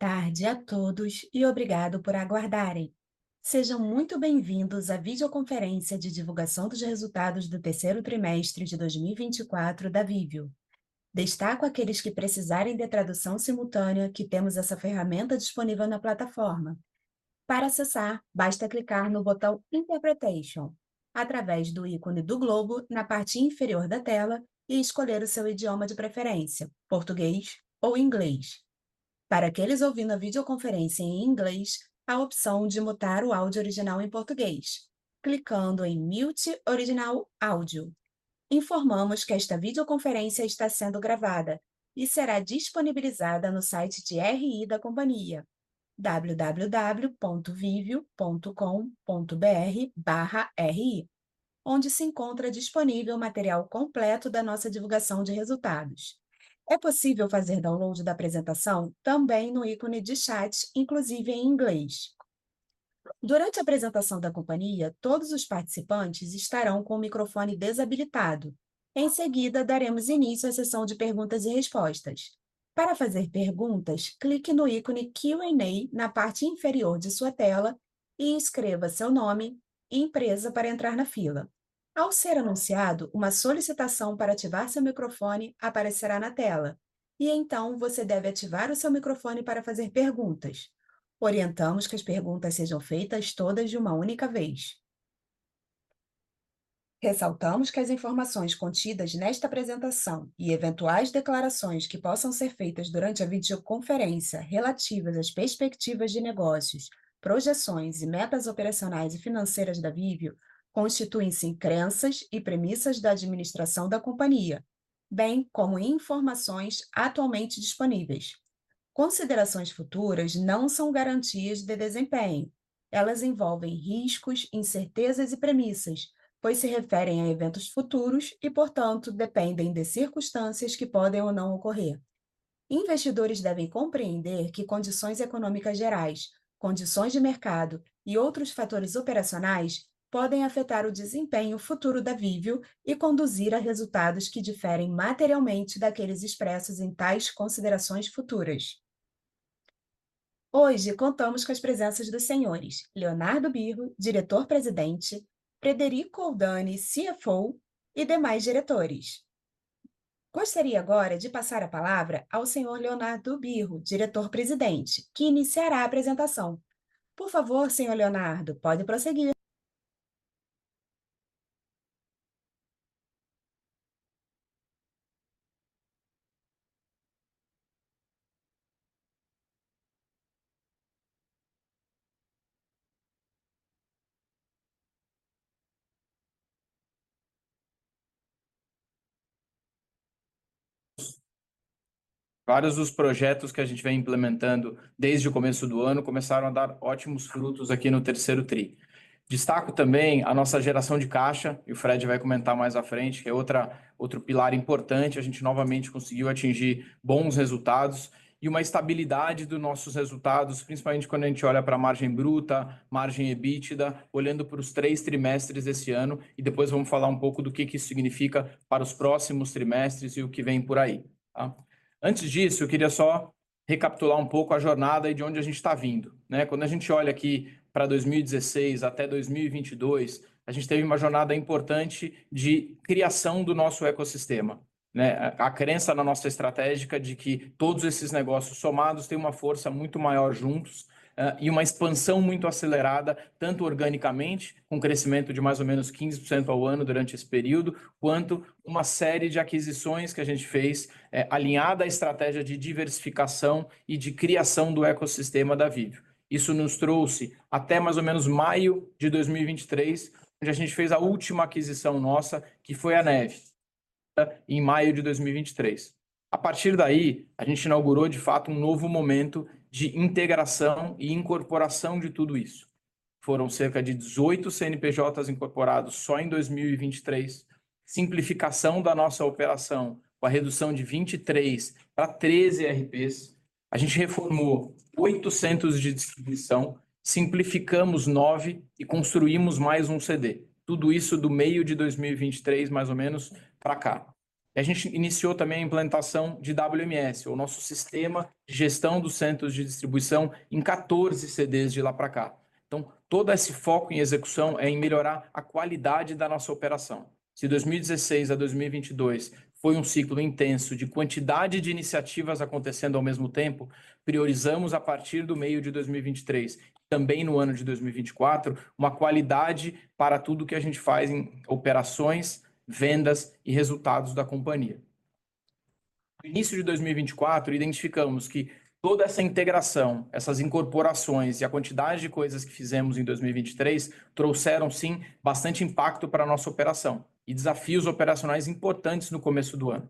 Boa tarde a todos e obrigado por aguardarem. Sejam muito bem-vindos à videoconferência de divulgação dos resultados do terceiro trimestre de 2024 da Viveo. Destaco àqueles que precisarem de tradução simultânea, que temos essa ferramenta disponível na plataforma. Para acessar, basta clicar no botão "Interpretation" através do ícone do globo na parte inferior da tela e escolher o seu idioma de preferência: português ou inglês. Para aqueles ouvindo a videoconferência em inglês, há a opção de mutar o áudio original em português, clicando em "Mute Original Audio". Informamos que esta videoconferência está sendo gravada e será disponibilizada no site de RI da companhia: www.viveo.com.br/ri, onde se encontra disponível o material completo da nossa divulgação de resultados. É possível fazer download da apresentação também no ícone de chat, inclusive em inglês. Durante a apresentação da companhia, todos os participantes estarão com o microfone desabilitado. Em seguida, daremos início à sessão de perguntas e respostas. Para fazer perguntas, clique no ícone "Q&A" na parte inferior de sua tela e escreva seu nome e empresa para entrar na fila. Ao ser anunciado uma solicitação para ativar seu microfone, aparecerá na tela e então você deve ativar o seu microfone para fazer perguntas. Orientamos que as perguntas sejam feitas todas de uma única vez. Ressaltamos que as informações contidas nesta apresentação e eventuais declarações que possam ser feitas durante a videoconferência relativas às perspectivas de negócios, projeções e metas operacionais e financeiras da Viveo constituem-se em crenças e premissas da administração da companhia, bem como informações atualmente disponíveis. Considerações futuras não são garantias de desempenho. Elas envolvem riscos, incertezas e premissas, pois se referem a eventos futuros e, portanto, dependem de circunstâncias que podem ou não ocorrer. Investidores devem compreender que condições econômicas gerais, condições de mercado e outros fatores operacionais podem afetar o desempenho futuro da Viveo e conduzir a resultados que diferem materialmente daqueles expressos em tais considerações futuras. Hoje contamos com as presenças dos senhores: Leonardo Birro, Diretor-Presidente; Frederico Oldani, CFO; e demais diretores. Gostaria agora de passar a palavra ao senhor Leonardo Birro, Diretor-Presidente, que iniciará a apresentação. Por favor, senhor Leonardo, pode prosseguir. Vários dos projetos que a gente vem implementando desde o começo do ano começaram a dar ótimos frutos aqui no terceiro trimestre. Destaco também a nossa geração de caixa, e o Fred vai comentar mais à frente, que é outro pilar importante. A gente novamente conseguiu atingir bons resultados e uma estabilidade dos nossos resultados, principalmente quando a gente olha para a margem bruta, margem EBITDA, olhando para os três trimestres desse ano. E depois vamos falar um pouco do que isso significa para os próximos trimestres e o que vem por aí. Antes disso, eu queria só recapitular um pouco a jornada e de onde a gente está vindo. Quando a gente olha aqui para 2016 até 2022, a gente teve uma jornada importante de criação do nosso ecossistema. A crença na nossa estratégia de que todos esses negócios somados têm uma força muito maior juntos e uma expansão muito acelerada, tanto organicamente, com crescimento de mais ou menos 15% ao ano durante esse período, quanto uma série de aquisições que a gente fez alinhada à estratégia de diversificação e de criação do ecossistema da Viveo. Isso nos trouxe até mais ou menos maio de 2023, onde a gente fez a última aquisição nossa, que foi a Neve, em maio de 2023. A partir daí, a gente inaugurou de fato novo momento de integração e incorporação de tudo isso. Foram cerca de 18 CNPJs incorporados só em 2023, simplificação da nossa operação com a redução de 23 para 13 ERPs. A gente reformou 8 centros de distribuição, simplificamos 9 e construímos mais 1 CD. Tudo isso do meio de 2023 mais ou menos para cá. A gente iniciou também a implantação de WMS, o nosso sistema de gestão dos centros de distribuição, em 14 CDs de lá para cá. Então, todo esse foco em execução é em melhorar a qualidade da nossa operação. Se 2016 a 2022 foi ciclo intenso de quantidade de iniciativas acontecendo ao mesmo tempo, priorizamos a partir do meio de 2023, também no ano de 2024, uma qualidade para tudo que a gente faz em operações, vendas e resultados da companhia. No início de 2024, identificamos que toda essa integração, essas incorporações e a quantidade de coisas que fizemos em 2023 trouxeram, sim, bastante impacto para a nossa operação e desafios operacionais importantes no começo do ano.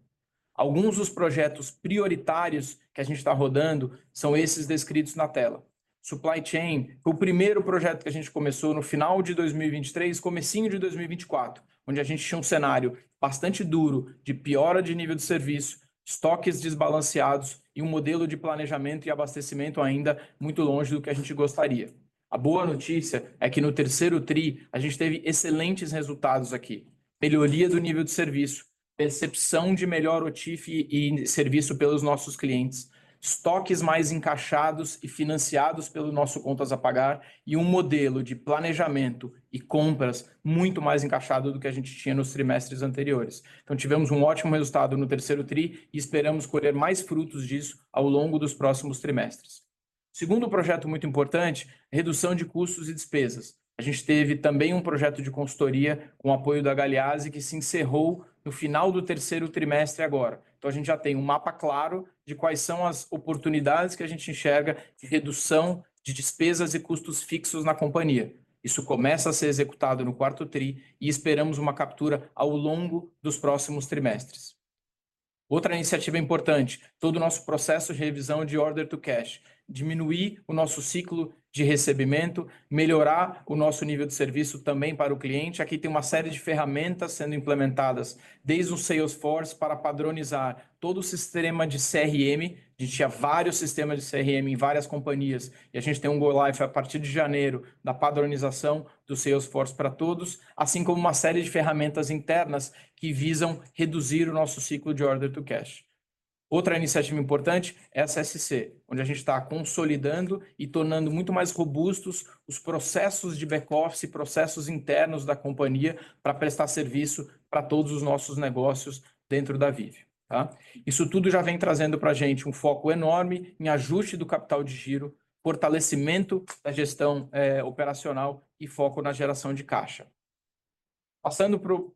Alguns dos projetos prioritários que a gente está rodando são esses descritos na tela. Supply Chain foi o primeiro projeto que a gente começou no final de 2023, comecinho de 2024, onde a gente tinha cenário bastante duro de piora de nível de serviço, estoques desbalanceados e modelo de planejamento e abastecimento ainda muito longe do que a gente gostaria. A boa notícia é que no terceiro trimestre a gente teve excelentes resultados aqui: melhoria do nível de serviço, percepção de melhor OTIF e serviço pelos nossos clientes, estoques mais encaixados e financiados pelo nosso contas a pagar e modelo de planejamento e compras muito mais encaixado do que a gente tinha nos trimestres anteriores. Então, tivemos ótimo resultado no terceiro trimestre e esperamos colher mais frutos disso ao longo dos próximos trimestres. Segundo projeto muito importante: redução de custos e despesas. A gente teve também projeto de consultoria com o apoio da Galease, que se encerrou no final do terceiro trimestre agora. Então, a gente já tem mapa claro de quais são as oportunidades que a gente enxerga de redução de despesas e custos fixos na companhia. Isso começa a ser executado no quarto trimestre e esperamos uma captura ao longo dos próximos trimestres. Outra iniciativa importante: todo o nosso processo de revisão de order to cash, diminuir o nosso ciclo de recebimento, melhorar o nosso nível de serviço também para o cliente. Aqui tem uma série de ferramentas sendo implementadas, desde o Salesforce para padronizar todo o sistema de CRM. A gente tinha vários sistemas de CRM em várias companhias e a gente tem go-live a partir de janeiro da padronização do Salesforce para todos, assim como uma série de ferramentas internas que visam reduzir o nosso ciclo de order to cash. Outra iniciativa importante é a CSC, onde a gente está consolidando e tornando muito mais robustos os processos de backoffice e processos internos da companhia para prestar serviço para todos os nossos negócios dentro da Viveo. Isso tudo já vem trazendo para a gente foco enorme em ajuste do capital de giro, fortalecimento da gestão operacional e foco na geração de caixa. Passando para o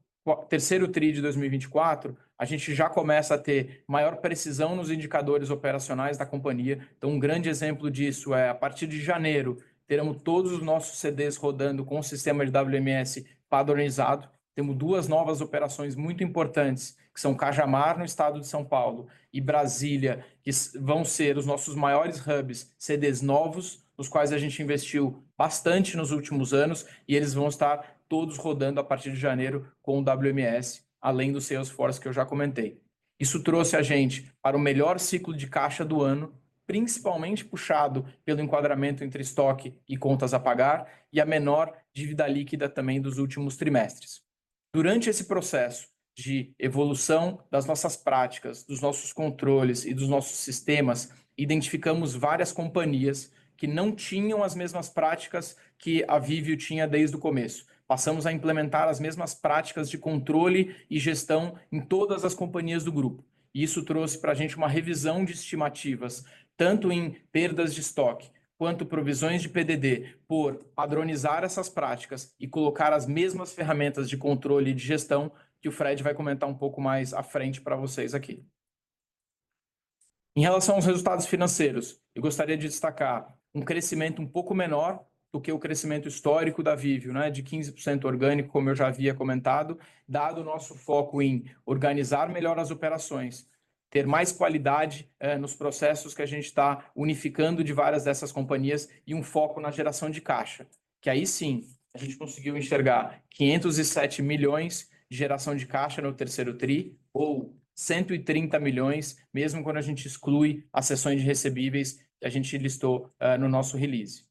terceiro tri de 2024, a gente já começa a ter maior precisão nos indicadores operacionais da companhia. Então, grande exemplo disso é, a partir de janeiro, teremos todos os nossos CDs rodando com o sistema de WMS padronizado. Temos duas novas operações muito importantes, que são Cajamar no estado de São Paulo e Brasília, que vão ser os nossos maiores hubs, CDs novos, nos quais a gente investiu bastante nos últimos anos e eles vão estar todos rodando a partir de janeiro com o WMS, além do Salesforce que eu já comentei. Isso trouxe a gente para o melhor ciclo de caixa do ano, principalmente puxado pelo enquadramento entre estoque e contas a pagar e a menor dívida líquida também dos últimos trimestres. Durante esse processo de evolução das nossas práticas, dos nossos controles e dos nossos sistemas, identificamos várias companhias que não tinham as mesmas práticas que a Viveo tinha desde o começo. Passamos a implementar as mesmas práticas de controle e gestão em todas as companhias do grupo. Isso trouxe para a gente uma revisão de estimativas, tanto em perdas de estoque quanto provisões de PDD, por padronizar essas práticas e colocar as mesmas ferramentas de controle e de gestão que o Fred vai comentar pouco mais à frente para vocês aqui. Em relação aos resultados financeiros, eu gostaria de destacar crescimento pouco menor do que o crescimento histórico da Viveo, de 15% orgânico, como eu já havia comentado, dado o nosso foco em organizar melhor as operações, ter mais qualidade nos processos que a gente está unificando de várias dessas companhias e foco na geração de caixa. Que aí sim a gente conseguiu enxergar R$ 507 milhões de geração de caixa no terceiro trimestre, ou R$ 130 milhões, mesmo quando a gente exclui as cessões de recebíveis que a gente listou no nosso release.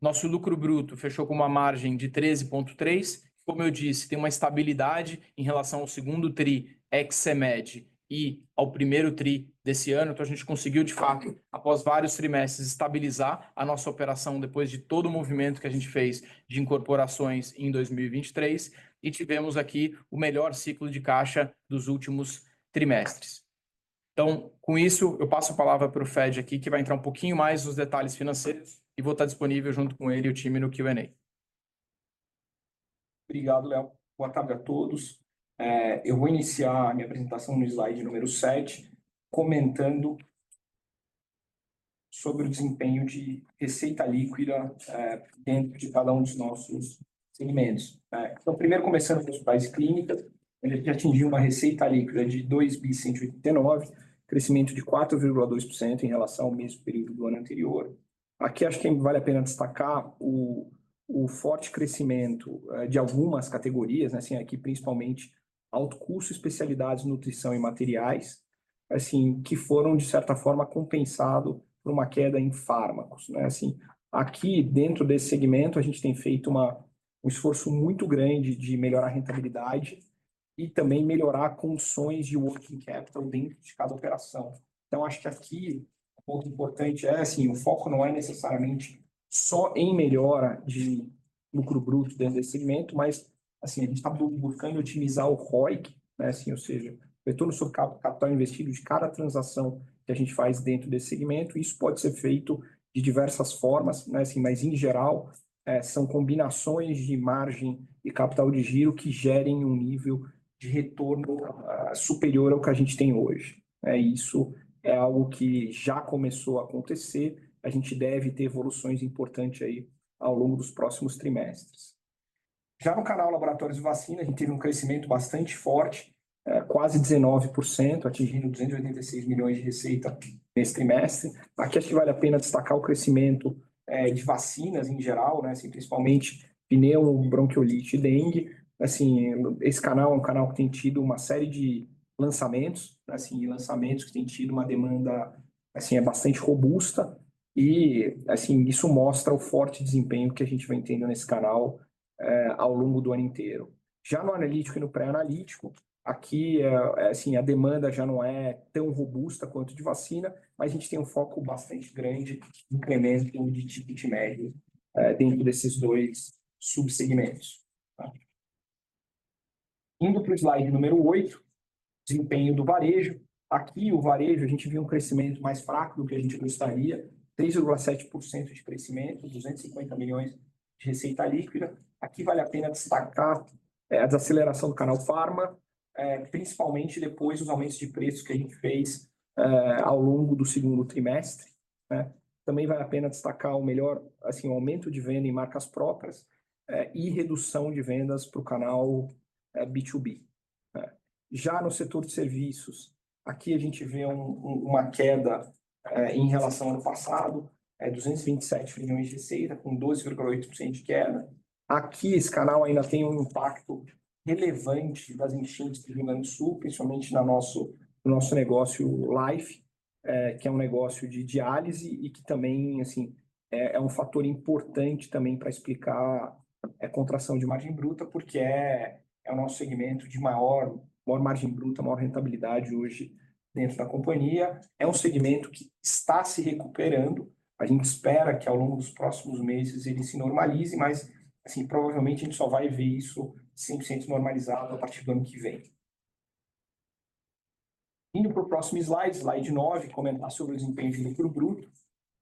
Nosso lucro bruto fechou com uma margem de 13,3%. Como eu disse, tem uma estabilidade em relação ao segundo trimestre ex-Semed e ao primeiro trimestre desse ano. Então, a gente conseguiu, de fato, após vários trimestres, estabilizar a nossa operação depois de todo o movimento que a gente fez de incorporações em 2023 e tivemos aqui o melhor ciclo de caixa dos últimos trimestres. Com isso, eu passo a palavra para o Fred aqui, que vai entrar um pouquinho mais nos detalhes financeiros e vou estar disponível junto com ele e o time no Q&A. Obrigado, Leo. Boa tarde a todos. Eu vou iniciar a minha apresentação no slide número 7, comentando sobre o desempenho de receita líquida dentro de cada um dos nossos segmentos. Então, primeiro começando pelas bases clínicas, onde a gente atingiu uma receita líquida de R$ 2,189 milhões, crescimento de 4,2% em relação ao mesmo período do ano anterior. Aqui acho que vale a pena destacar o forte crescimento de algumas categorias. Principalmente alto custo, especialidades, nutrição e materiais, que foram, de certa forma, compensados por uma queda em fármacos. Dentro desse segmento a gente tem feito esforço muito grande de melhorar a rentabilidade e também melhorar condições de working capital dentro de cada operação. Então, acho que aqui o ponto importante é o foco não é necessariamente só em melhora de lucro bruto dentro desse segmento, mas a gente está buscando otimizar o ROIC, né? Ou seja, o retorno sobre capital investido de cada transação que a gente faz dentro desse segmento. Isso pode ser feito de diversas formas, mas em geral são combinações de margem e capital de giro que gerem nível de retorno superior ao que a gente tem hoje. Isso é algo que já começou a acontecer. A gente deve ter evoluções importantes ao longo dos próximos trimestres. Já no canal Laboratórios de Vacina, a gente teve crescimento bastante forte, quase 19%, atingindo R$ 286 milhões de receita nesse trimestre. Aqui acho que vale a pena destacar o crescimento de vacinas em geral, principalmente pneumonia, dengue. Assim, esse canal é canal que tem tido uma série de lançamentos, né? E lançamentos que têm tido uma demanda bastante robusta e isso mostra o forte desempenho que a gente vem tendo nesse canal ao longo do ano inteiro. Já no analítico e no pré-analítico, aqui a demanda já não é tão robusta quanto de vacina, mas a gente tem foco bastante grande em aumento de ticket médio dentro desses dois subsegmentos. Indo para o slide número 8, desempenho do varejo. Aqui o varejo, a gente viu crescimento mais fraco do que a gente gostaria, 3,7% de crescimento, R$ 250 milhões de receita líquida. Aqui vale a pena destacar a desaceleração do canal farma, principalmente depois dos aumentos de preço que a gente fez ao longo do segundo trimestre. Também vale a pena destacar o melhor, assim, o aumento de venda em marcas próprias e redução de vendas para o canal B2B. Né? Já no setor de serviços, aqui a gente vê uma queda em relação ao ano passado, R$ 227 milhões de receita, com 12,8% de queda. Aqui esse canal ainda tem impacto relevante das enchentes do Rio Grande do Sul, principalmente no nosso negócio Life, que é negócio de diálise e que também, assim, é fator importante também para explicar a contração de margem bruta, porque é o nosso segmento de maior margem bruta, maior rentabilidade hoje dentro da companhia. É segmento que está se recuperando. A gente espera que ao longo dos próximos meses ele se normalize, mas assim, provavelmente a gente só vai ver isso 100% normalizado a partir do ano que vem. Indo para o próximo slide, slide 9, comentar sobre o desempenho de lucro bruto.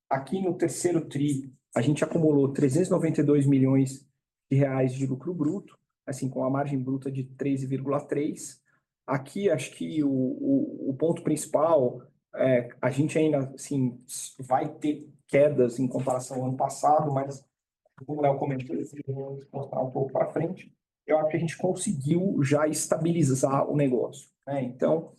Aqui no terceiro trimestre, a gente acumulou R$ 392 milhões de reais de lucro bruto com a margem bruta de 13,3%. Aqui acho que o ponto principal é a gente ainda vai ter quedas em comparação ao ano passado, mas como o Leo comentou, a gente vai se encostar pouco para frente. Eu acho que a gente conseguiu já estabilizar o negócio. Então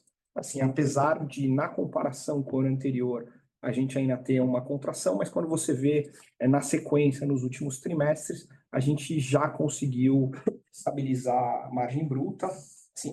apesar de na comparação com o ano anterior a gente ainda ter uma contração, mas quando você vê na sequência, nos últimos trimestres, a gente já conseguiu estabilizar a margem bruta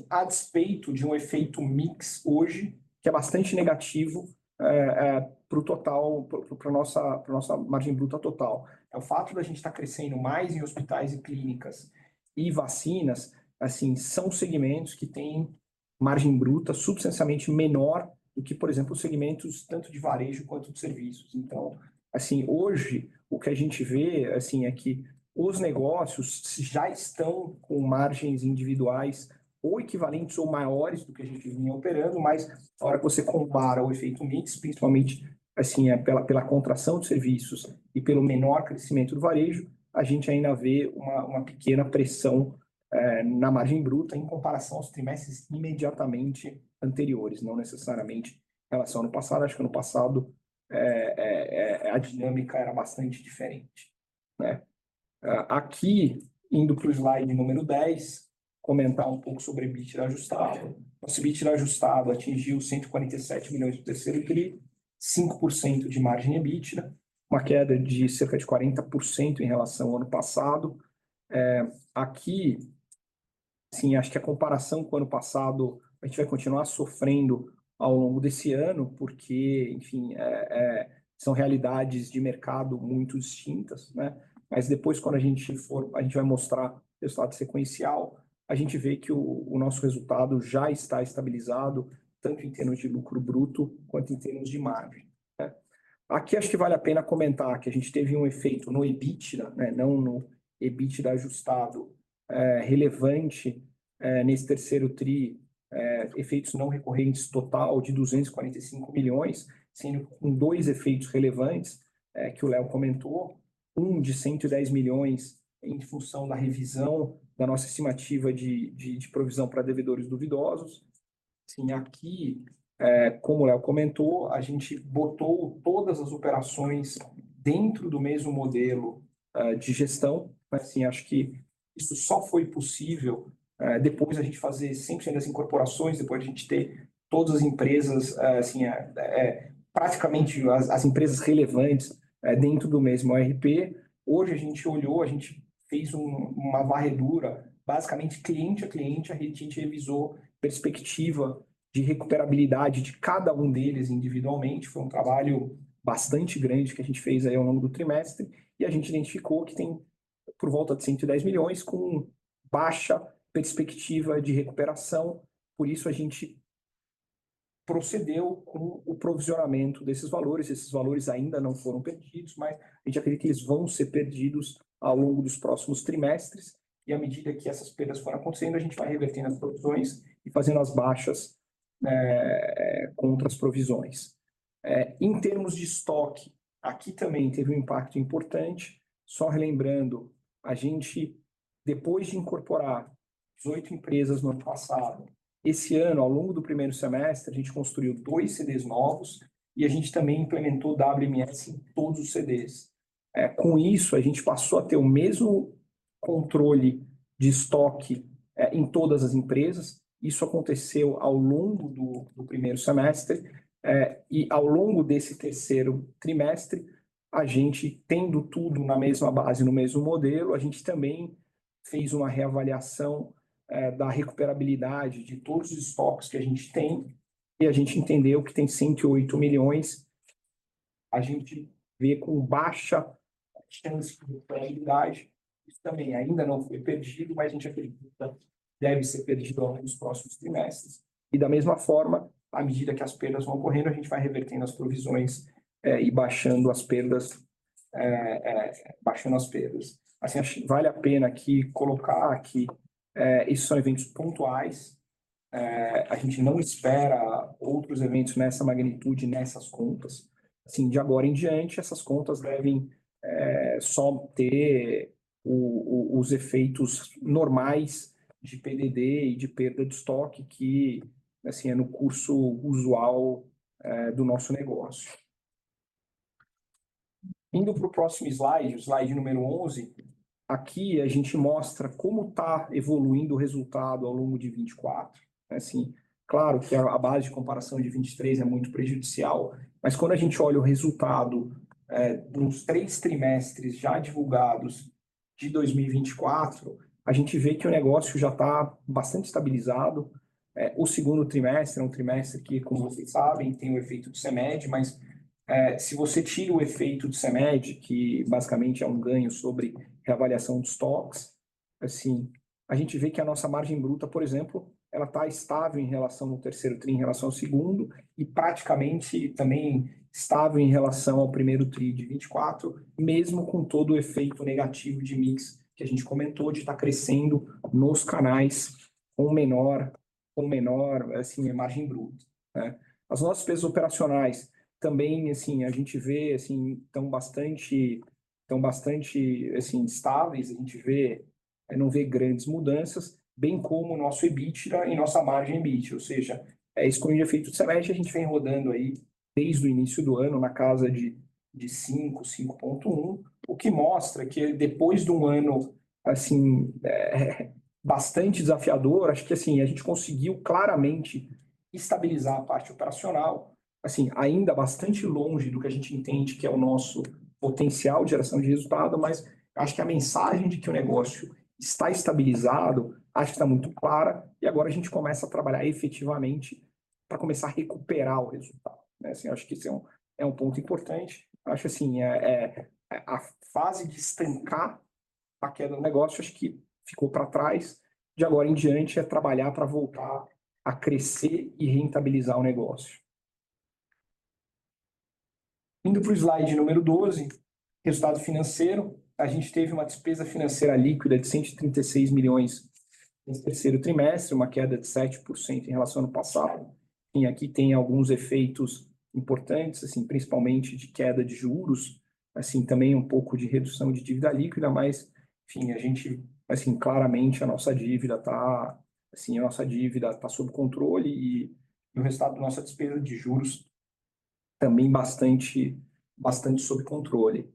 a despeito de efeito mix hoje, que é bastante negativo para o total, para a nossa margem bruta total. É o fato da gente estar crescendo mais em hospitais e clínicas e vacinas, assim, são segmentos que têm margem bruta substancialmente menor do que, por exemplo, segmentos tanto de varejo quanto de serviços. Então, assim, hoje o que a gente vê, assim, é que os negócios já estão com margens individuais ou equivalentes ou maiores do que a gente vinha operando, mas na hora que você compara o efeito mix, principalmente, assim, é pela contração de serviços e pelo menor crescimento do varejo, a gente ainda vê uma pequena pressão na margem bruta em comparação aos trimestres imediatamente anteriores, não necessariamente em relação ao ano passado. Acho que ano passado a dinâmica era bastante diferente. Né? Aqui, indo para o slide número 10, comentar pouco sobre EBITDA ajustado. Nosso EBITDA ajustado atingiu R$ 147 milhões no terceiro trimestre, 5% de margem EBITDA, uma queda de cerca de 40% em relação ao ano passado. Aqui, assim, acho que a comparação com o ano passado a gente vai continuar sofrendo ao longo desse ano, porque, enfim, são realidades de mercado muito distintas. Mas depois, quando a gente for, a gente vai mostrar o resultado sequencial, a gente vê que o nosso resultado já está estabilizado, tanto em termos de lucro bruto quanto em termos de margem. Aqui acho que vale a pena comentar que a gente teve efeito no EBITDA. Não no EBITDA ajustado, é relevante nesse terceiro trimestre, efeitos não recorrentes total de R$ 245 milhões, sendo com dois efeitos relevantes que o Leo comentou, de R$ 110 milhões em função da revisão da nossa estimativa de provisão para devedores duvidosos. Assim, aqui, é como o Leo comentou, a gente botou todas as operações dentro do mesmo modelo de gestão. Assim, acho que isso só foi possível depois da gente fazer 100% das incorporações, depois da gente ter todas as empresas, assim, praticamente as empresas relevantes dentro do mesmo ERP. Hoje a gente olhou, a gente fez uma varredura basicamente cliente a cliente, a gente revisou perspectiva de recuperabilidade de cada deles individualmente. Foi trabalho bastante grande que a gente fez ao longo do trimestre e a gente identificou que tem por volta de R$ 110 milhões com baixa perspectiva de recuperação. Por isso a gente procedeu com o provisionamento desses valores. Esses valores ainda não foram perdidos, mas a gente acredita que eles vão ser perdidos ao longo dos próximos trimestres. E à medida que essas perdas forem acontecendo, a gente vai revertendo as provisões e fazendo as baixas contra as provisões. Em termos de estoque, aqui também teve impacto importante. Só relembrando, a gente, depois de incorporar 18 empresas no ano passado, esse ano, ao longo do primeiro semestre, a gente construiu dois CDs novos e a gente também implementou WMS em todos os CDs. Com isso a gente passou a ter o mesmo controle de estoque em todas as empresas. Isso aconteceu ao longo do primeiro semestre e ao longo desse terceiro trimestre, a gente, tendo tudo na mesma base, no mesmo modelo, a gente também fez uma reavaliação da recuperabilidade de todos os estoques que a gente tem e a gente entendeu que tem R$ 108 milhões. A gente vê com baixa chance de recuperabilidade. Isso também ainda não foi perdido, mas a gente acredita que deve ser perdido ao longo dos próximos trimestres. E da mesma forma, à medida que as perdas vão ocorrendo, a gente vai revertendo as provisões e baixando as perdas. Baixando as perdas. Acho que vale a pena aqui colocar que isso são eventos pontuais. A gente não espera outros eventos nessa magnitude nessas contas. De agora em diante, essas contas devem ter só os efeitos normais de PDD e de perda de estoque que é no curso usual do nosso negócio. Indo para o próximo slide, o slide número 11, aqui a gente mostra como está evoluindo o resultado ao longo de 2024. Assim, claro que a base de comparação de 2023 é muito prejudicial, mas quando a gente olha o resultado dos três trimestres já divulgados de 2024, a gente vê que o negócio já está bastante estabilizado. O segundo trimestre é trimestre que, como vocês sabem, tem o efeito de CMED, mas se você tira o efeito de CMED, que basicamente é ganho sobre reavaliação de estoques, a gente vê que a nossa margem bruta, por exemplo, ela está estável em relação ao terceiro trimestre, em relação ao segundo e praticamente também estável em relação ao primeiro trimestre de 2024, mesmo com todo o efeito negativo de mix que a gente comentou de estar crescendo nos canais com menor margem bruta. As nossas perdas operacionais também estão bastante estáveis. A gente vê, não vê grandes mudanças, bem como o nosso EBITDA e nossa margem EBITDA. Ou seja, excluindo o efeito de CMED, a gente vem rodando aí desde o início do ano na casa de 5%, 5,1%, o que mostra que depois de um ano bastante desafiador, a gente conseguiu claramente estabilizar a parte operacional. Ainda bastante longe do que a gente entende que é o nosso potencial de geração de resultado, mas acho que a mensagem de que o negócio está estabilizado está muito clara e agora a gente começa a trabalhar efetivamente para começar a recuperar o resultado. Acho que esse é o ponto importante. A fase de estancar a queda do negócio ficou para trás. De agora em diante, é trabalhar para voltar a crescer e rentabilizar o negócio. Indo para o slide número 12, resultado financeiro, a gente teve uma despesa financeira líquida de R$ 136 milhões nesse terceiro trimestre, uma queda de 7% em relação ao ano passado. E aqui tem alguns efeitos importantes, principalmente de queda de juros, também pouco de redução de dívida líquida, mas, enfim, a gente claramente a nossa dívida está sob controle e o resultado da nossa despesa de juros também bastante sob controle.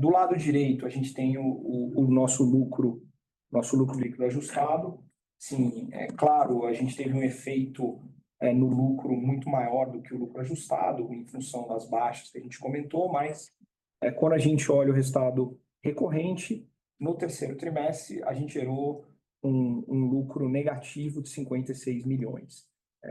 Do lado direito, a gente tem o nosso lucro, nosso lucro líquido ajustado. Assim, é claro, a gente teve efeito no lucro muito maior do que o lucro ajustado em função das baixas que a gente comentou, mas quando a gente olha o resultado recorrente, no terceiro trimestre, a gente gerou lucro negativo de R$ 56 milhões.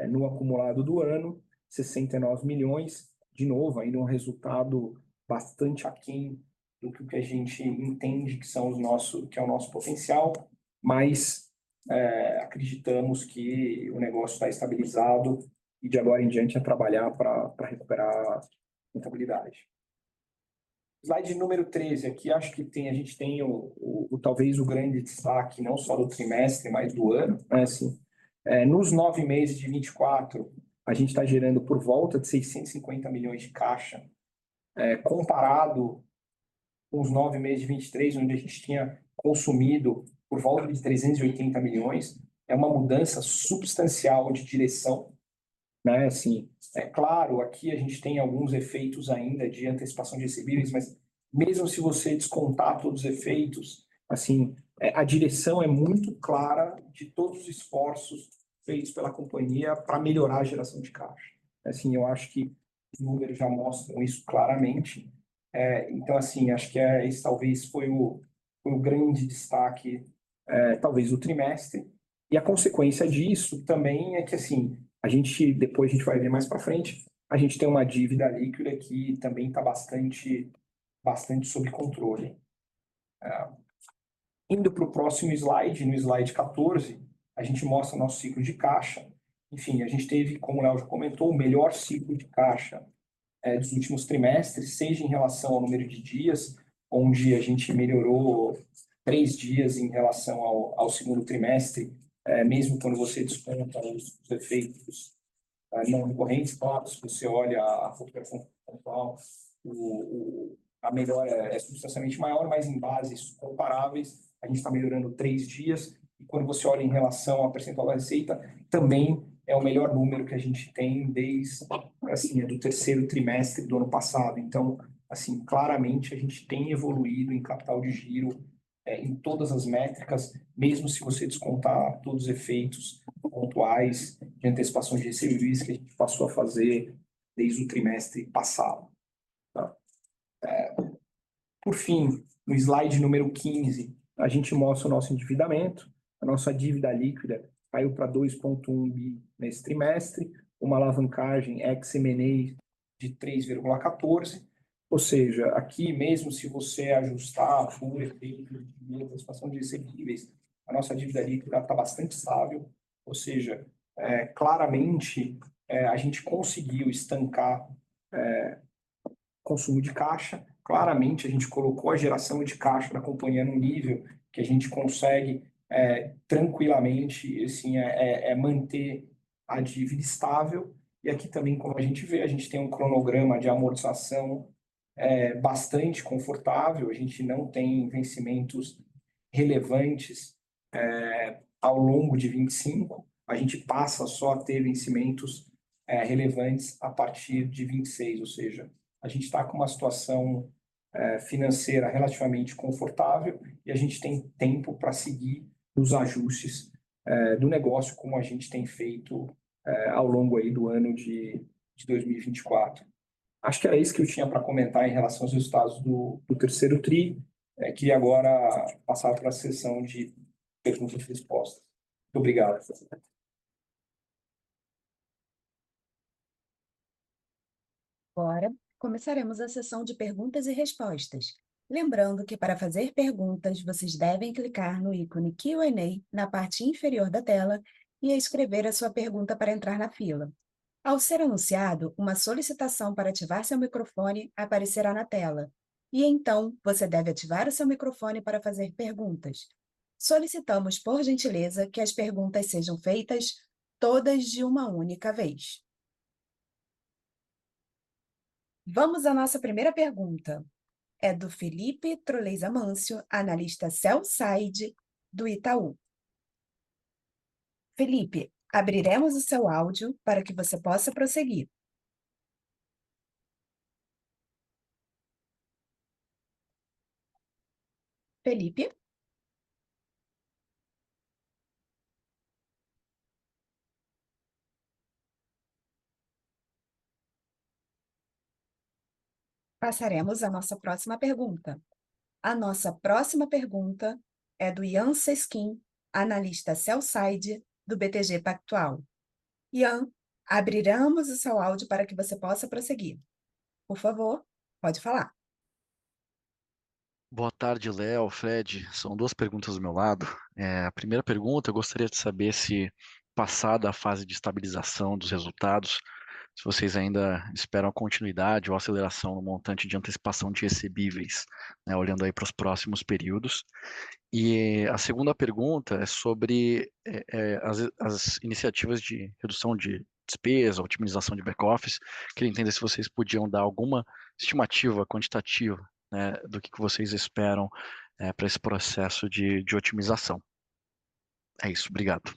No acumulado do ano, R$ 69 milhões. De novo, ainda é resultado bastante aquém do que a gente entende que é o nosso potencial, mas acreditamos que o negócio está estabilizado e de agora em diante é trabalhar para recuperar a rentabilidade. Slide número 13 aqui, acho que tem a gente tem o talvez o grande destaque não só do trimestre, mas do ano. Assim, nos 9 meses de 2024, a gente está gerando por volta de R$ 650 milhões de caixa, comparado com os 9 meses de 2023, onde a gente tinha consumido por volta de R$ 380 milhões. É uma mudança substancial de direção. Assim, é claro, aqui a gente tem alguns efeitos ainda de antecipação de recebíveis, mas mesmo se você descontar todos os efeitos, a direção é muito clara de todos os esforços feitos pela companhia para melhorar a geração de caixa. Acho que os números já mostram isso claramente. Então, acho que esse talvez foi o grande destaque do trimestre. A consequência disso também é que a gente tem uma dívida líquida que também está bastante sob controle. Indo para o próximo slide, no slide 14, a gente mostra o nosso ciclo de caixa. A gente teve, como o Leo já comentou, o melhor ciclo de caixa dos últimos trimestres, seja em relação ao número de dias, onde a gente melhorou três dias em relação ao segundo trimestre, mesmo quando você desconta os efeitos não recorrentes. Claro, se você olha a recuperação pontual, a melhora é substancialmente maior, mas em bases comparáveis, a gente está melhorando três dias. E quando você olha em relação ao percentual da receita, também é o melhor número que a gente tem desde o terceiro trimestre do ano passado. Então, claramente a gente tem evoluído em capital de giro em todas as métricas, mesmo se você descontar todos os efeitos pontuais de antecipação de recebíveis que a gente passou a fazer desde o trimestre passado. Por fim, no slide número 15, a gente mostra o nosso endividamento. A nossa dívida líquida caiu para R$ 2,1 bilhões nesse trimestre, uma alavancagem ex-M&A de 3,14. Ou seja, aqui, mesmo se você ajustar por efeito de antecipação de recebíveis, a nossa dívida líquida está bastante estável. Ou seja, claramente a gente conseguiu estancar o consumo de caixa. Claramente, a gente colocou a geração de caixa da companhia num nível que a gente consegue tranquilamente manter a dívida estável. E aqui também, como a gente vê, a gente tem cronograma de amortização bastante confortável. A gente não tem vencimentos relevantes ao longo de 2025. A gente passa só a ter vencimentos relevantes a partir de 2026. Ou seja, a gente está com uma situação financeira relativamente confortável e a gente tem tempo para seguir os ajustes do negócio, como a gente tem feito ao longo do ano de 2024. Acho que era isso que eu tinha para comentar em relação aos resultados do terceiro trimestre, que agora passar para a sessão de perguntas e respostas. Muito obrigado. Agora, começaremos a sessão de perguntas e respostas. Lembrando que para fazer perguntas, vocês devem clicar no ícone Q&A na parte inferior da tela e escrever a sua pergunta para entrar na fila. Ao ser anunciado, uma solicitação para ativar seu microfone aparecerá na tela e então você deve ativar o seu microfone para fazer perguntas. Solicitamos, por gentileza, que as perguntas sejam feitas todas de uma única vez. Vamos à nossa primeira pergunta. É do Felipe Trollezamâncio, Analista CELLSIDE do Itaú. Felipe, abriremos o seu áudio para que você possa prosseguir. Felipe, passaremos à nossa próxima pergunta. A nossa próxima pergunta é do Ian Seskim, analista CELLSIDE do BTG Pactual. Ian, abriremos o seu áudio para que você possa prosseguir. Por favor, pode falar. Boa tarde, Leo, Fred. São duas perguntas do meu lado. A primeira pergunta, eu gostaria de saber se, passada a fase de estabilização dos resultados, se vocês ainda esperam a continuidade ou aceleração no montante de antecipação de recebíveis, olhando aí para os próximos períodos. E a segunda pergunta é sobre as iniciativas de redução de despesa, otimização de backoffice. Queria entender se vocês podiam dar alguma estimativa quantitativa do que vocês esperam para esse processo de otimização. É isso, obrigado.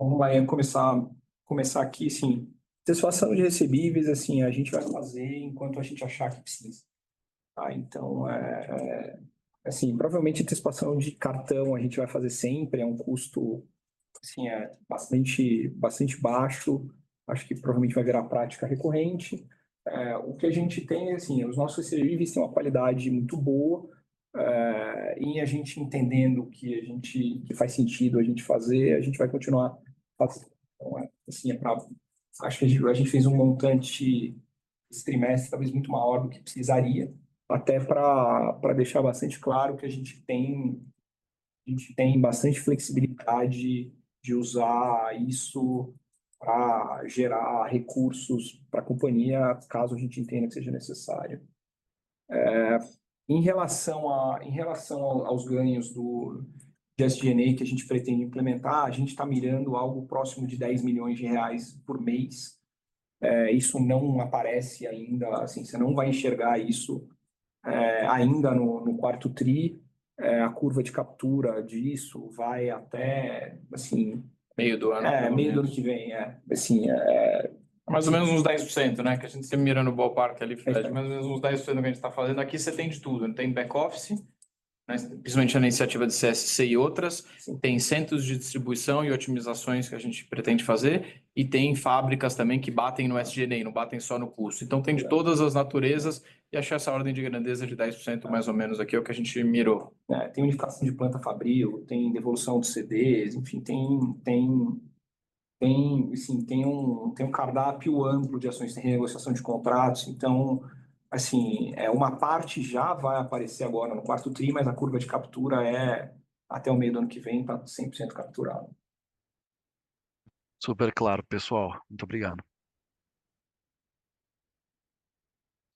Vamos lá, Ian, começar aqui, sim. Antecipação de recebíveis, a gente vai fazer enquanto a gente achar que precisa. Então, é assim, provavelmente a antecipação de cartão a gente vai fazer sempre, é custo bastante baixo. Acho que provavelmente vai virar prática recorrente. É o que a gente tem, os nossos recebíveis têm uma qualidade muito boa e a gente entendendo que faz sentido a gente fazer, a gente vai continuar fazendo. Então, é assim, acho que a gente fez montante desse trimestre, talvez muito maior do que precisaria, até para deixar bastante claro que a gente tem bastante flexibilidade de usar isso para gerar recursos para a companhia, caso a gente entenda que seja necessário. Em relação aos ganhos do SG&A que a gente pretende implementar, a gente está mirando algo próximo de R$ 10 milhões por mês. Isso não aparece ainda, assim, você não vai enxergar isso ainda no quarto tri. A curva de captura disso vai até meio do ano que vem. Meio do ano que vem, é. Assim, é mais ou menos uns 10%, né, que a gente sempre mira no ballpark ali, Fred, mais ou menos uns 10% que a gente está fazendo. Aqui você tem de tudo, tem backoffice, né, principalmente a iniciativa de CSC e outras, tem centros de distribuição e otimizações que a gente pretende fazer e tem fábricas também que batem no SG&A, não batem só no custo. Então, tem de todas as naturezas e achar essa ordem de grandeza de 10% mais ou menos aqui é o que a gente mirou. Tem unificação de planta fabril, tem devolução de CDs, enfim, tem um cardápio amplo de ações de renegociação de contratos. Então, assim, é uma parte já vai aparecer agora no quarto tri, mas a curva de captura é até o meio do ano que vem para 100% capturado. Super claro, pessoal. Muito obrigado.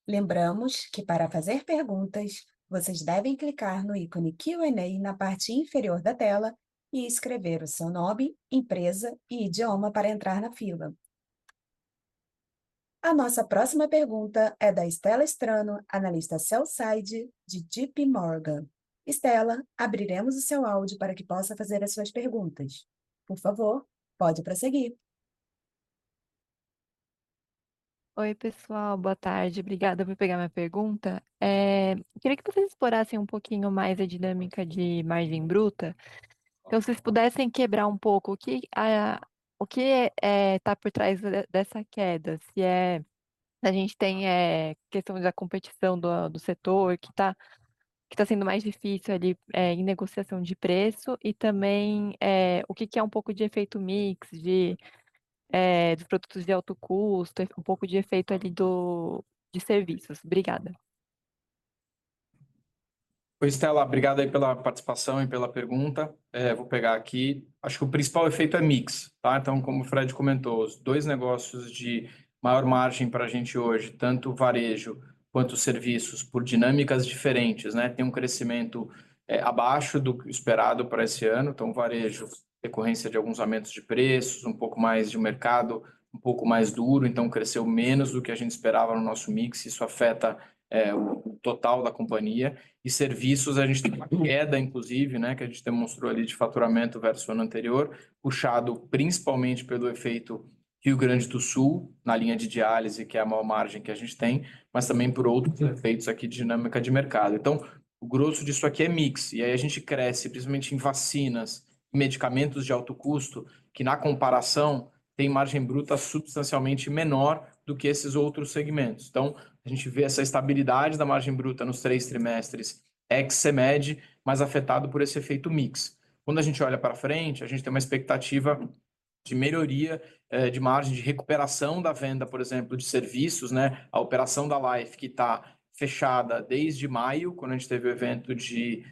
Lembramos que para fazer perguntas, vocês devem clicar no ícone Q&A na parte inferior da tela e escrever o seu nome, empresa e idioma para entrar na fila. A nossa próxima pergunta é da Estela Estrano, analista CELSIDE de DeepMorgan. Estela, abriremos o seu áudio para que possa fazer as suas perguntas. Por favor, pode prosseguir. Oi, pessoal, boa tarde. Obrigada por pegar minha pergunta. E queria que vocês explorassem pouquinho mais a dinâmica de margem bruta. Então, se vocês pudessem quebrar um pouco o que está por trás dessa queda, se é se a gente tem questão da competição do setor, que está sendo mais difícil ali na negociação de preço e também o que é um pouco de efeito mix dos produtos de alto custo, um pouco de efeito ali dos serviços. Obrigada. Oi, Estela, obrigada aí pela participação e pela pergunta. Vou pegar aqui. Acho que o principal efeito é mix. Então, como o Fred comentou, os dois negócios de maior margem para a gente hoje, tanto o varejo quanto os serviços, por dinâmicas diferentes, têm crescimento abaixo do que o esperado para esse ano. Então, o varejo, em decorrência de alguns aumentos de preços, pouco mais de mercado, pouco mais duro, então cresceu menos do que a gente esperava no nosso mix. Isso afeta o total da companhia. E serviços, a gente tem uma queda, inclusive, né, que a gente demonstrou ali de faturamento versus o ano anterior, puxado principalmente pelo efeito Rio Grande do Sul, na linha de diálise, que é a maior margem que a gente tem, mas também por outros efeitos aqui de dinâmica de mercado. Então, o grosso disso aqui é mix. E aí a gente cresce, principalmente em vacinas e medicamentos de alto custo, que na comparação tem margem bruta substancialmente menor do que esses outros segmentos. Então, a gente vê essa estabilidade da margem bruta nos três trimestres ex-CMED, mas afetado por esse efeito mix. Quando a gente olha para frente, a gente tem uma expectativa de melhoria de margem de recuperação da venda, por exemplo, de serviços. A operação da LIFE que está fechada desde maio, quando a gente teve o evento de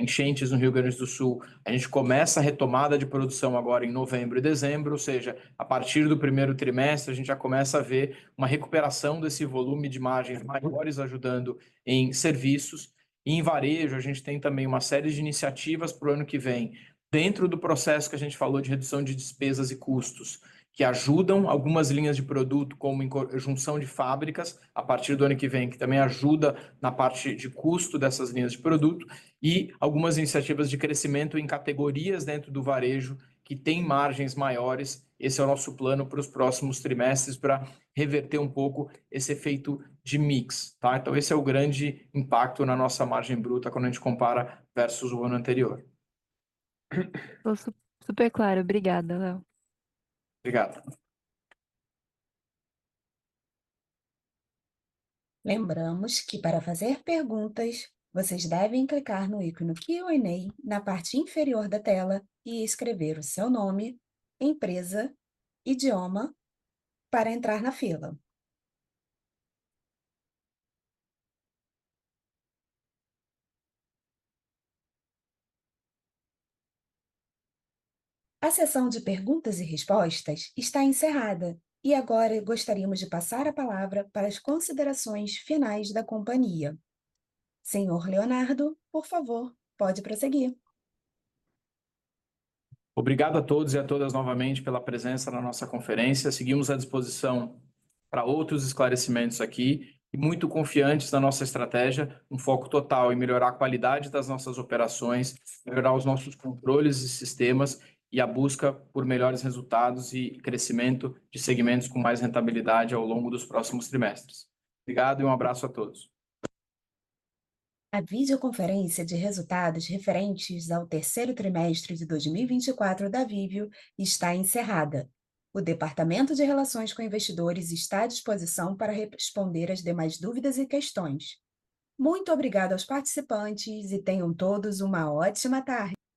enchentes no Rio Grande do Sul, a gente começa a retomada de produção agora em novembro e dezembro. Ou seja, a partir do primeiro trimestre, a gente já começa a ver uma recuperação desse volume de margens maiores, ajudando em serviços. E em varejo, a gente tem também uma série de iniciativas para o ano que vem, dentro do processo que a gente falou de redução de despesas e custos, que ajudam algumas linhas de produto, como junção de fábricas, a partir do ano que vem, que também ajuda na parte de custo dessas linhas de produto, e algumas iniciativas de crescimento em categorias dentro do varejo que têm margens maiores. Esse é o nosso plano para os próximos trimestres, para reverter pouco esse efeito de mix. Então, esse é o grande impacto na nossa margem bruta quando a gente compara versus o ano anterior. Super claro, obrigada, Leo. Obrigado. Lembramos que para fazer perguntas, vocês devem clicar no ícone Q&A na parte inferior da tela e escrever o seu nome, empresa, idioma, para entrar na fila. A sessão de perguntas e respostas está encerrada e agora gostaríamos de passar a palavra para as considerações finais da companhia. Senhor Leonardo, por favor, pode prosseguir. Obrigado a todos e a todas novamente pela presença na nossa conferência. Seguimos à disposição para outros esclarecimentos aqui e muito confiantes na nossa estratégia, foco total em melhorar a qualidade das nossas operações, melhorar os nossos controles e sistemas e a busca por melhores resultados e crescimento de segmentos com mais rentabilidade ao longo dos próximos trimestres. Obrigado e abraço a todos. A videoconferência de resultados referentes ao terceiro trimestre de 2024 da Viveo está encerrada. O Departamento de Relações com Investidores está à disposição para responder às demais dúvidas e questões. Muito obrigado aos participantes e tenham todos uma ótima tarde.